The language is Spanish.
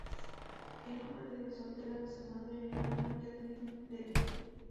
El nombre de soltera de su madre era Mary Catherine Devlin.